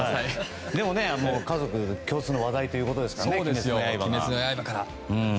家族共通の話題ということですから。